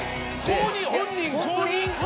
本人公認？